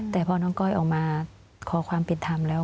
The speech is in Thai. แต่พอน้องก้อยออกมาขอความเป็นธรรมแล้ว